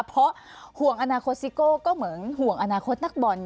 เพราะห่วงอนาคตซิโก้ก็เหมือนห่วงอนาคตนักบอล